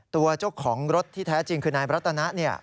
ตัวเจ้าของรถที่แท้จริงคือนายรัตนะ